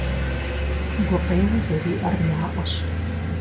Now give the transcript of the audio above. Гукъеуэ зэриӏэр наӏуэщ.